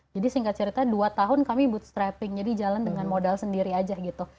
jadi singkat cerita dua tahun kami bootstrapping jadi jalan dengan modal sendiri aja gitu